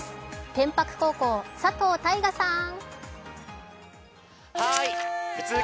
天白高校、佐藤大雅さん。